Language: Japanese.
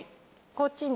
こっちに。